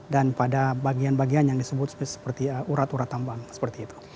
dan pada bagian bagian yang disebut seperti urat urat tambang seperti itu